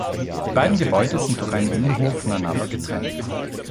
Die beiden Gebäude sind durch einen Innenhof voneinander getrennt.